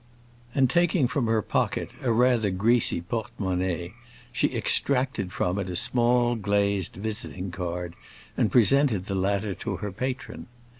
And, taking from her pocket a rather greasy portemonnaie, she extracted from it a small glazed visiting card, and presented the latter to her patron.